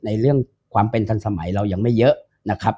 ในเรื่องความเป็นทันสมัยเรายังไม่เยอะนะครับ